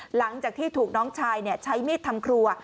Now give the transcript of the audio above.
หลังจากที่ถูกน้องชายใช้มีดทำครัว